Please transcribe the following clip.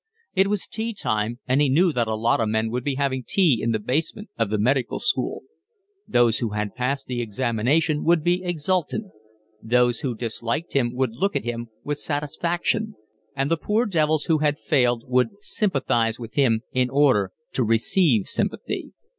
It was tea time, and he knew that a lot of men would be having tea in the basement of the Medical School: those who had passed the examination would be exultant, those who disliked him would look at him with satisfaction, and the poor devils who had failed would sympathise with him in order to receive sympathy.